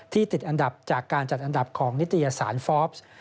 ติดอันดับจากการจัดอันดับของนิตยสารฟอล์ฟ